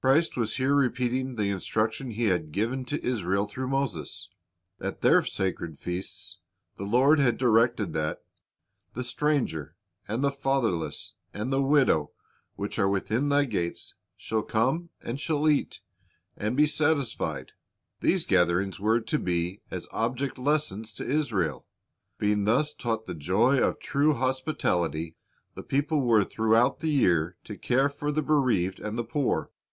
Christ was here repeating the instruction He ^ had given to Israel through Moses. At their sacred feasts the Lord had directed that "the stranger, and the fatherless, and the widow, which are within thy gates, shall come, and shall eat, and be satisfied."^ These gatherings were to be as object lessons to Israel. Being thus taught the joy of true hospitality, the people were throughout the year to care for the bereaved and the poor.